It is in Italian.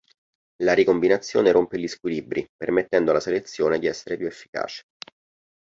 La ricombinazione rompe gli squilibri, permettendo alla selezione di essere più efficace.